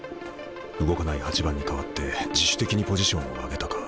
動かない８番に代わって自主的にポジションを上げたか。